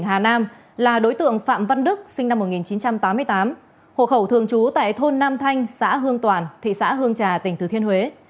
hãy đăng ký kênh để ủng hộ kênh của chúng mình nhé